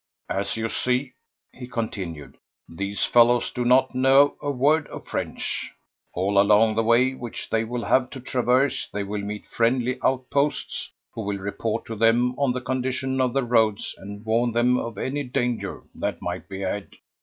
"As you see," he continued, "these fellows do not know a word of French. All along the way which they will have to traverse they will meet friendly outposts, who will report to them on the condition of the roads and warn them of any danger that might be ahead.